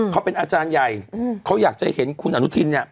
เขาเป็นอาจารย์ใหญ่เขาอยากจะเห็นคุณอนุทินเนี่ย